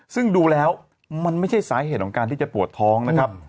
ซึ่งดูแล้วมันไม่ใช่สาเหตุของการที่จะปวดท้องนะครับ